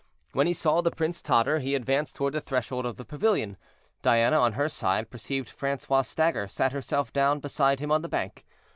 When he saw the prince totter, he advanced toward the threshold of the pavilion. Diana, on her side, perceiving Francois stagger, sat herself down beside him on the bank.